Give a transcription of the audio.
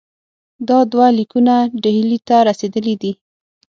دا دوه لیکونه ډهلي ته رسېدلي دي.